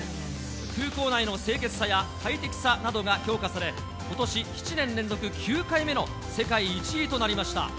空港内の清潔さや快適さなどが評価され、ことし７年連続９回目の世界１位となりました。